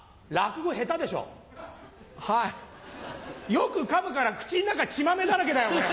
よくかむから口の中血豆だらけだよこれ。